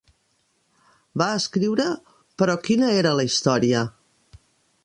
Va escriure: "Però quina "era" la història?